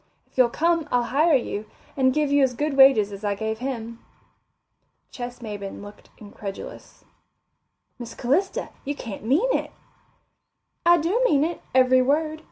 If you'll come, I'll hire you, and give you as good wages as I gave him." Ches Maybin looked incredulous. "Miss Calista, you can't mean it." "I do mean it, every word.